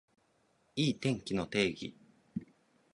いい天気の定義